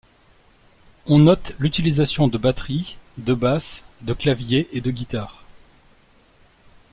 On note l'utilisation de batteries, de basses, de clavier et de guitares.